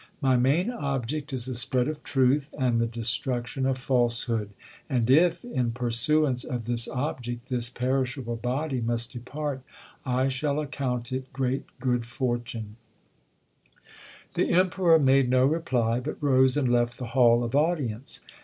My main object is the spread of truth and the destruction of falsehood ; and if, in pursuance of this object, this perishable body must depart, I shall account it great good fortune/ The Emperor made no reply, but rose and left the hall of audience.